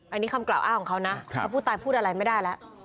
อันนี้คำกล่าวอ้างของเขานะเพราะผู้ตายพูดอะไรไม่ได้แล้ว